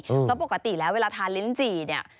เพราะปกติแล้วเวลาทานลิ้นจี่เนี่ย